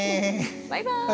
バイバーイ！